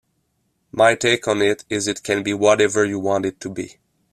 My take on it is it can be whatever you want it to be.